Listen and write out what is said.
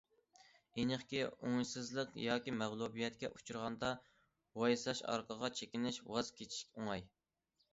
ئېنىقكى، ئوڭۇشسىزلىق ياكى مەغلۇبىيەتكە ئۇچرىغاندا ۋايساش، ئارقىغا چېكىنىش، ۋاز كېچىش ئوڭاي.